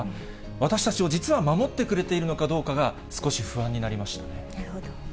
私たちを実は守ってくれているのかどうか、少し不安になりましたなるほど。